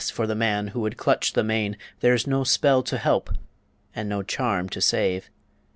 for the man who would clutch the mane There's no spell to help and no charm to save!